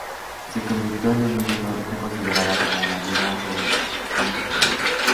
Se convirtió en un ídolo y fue considerada como una diva del cantopop.